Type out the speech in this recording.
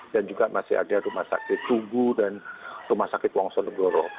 dan juga masih ada rumah sakit tugu dan rumah sakit wongso ndoro